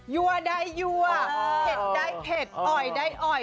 ัวได้ยั่วเผ็ดได้เผ็ดอ่อยได้อ่อย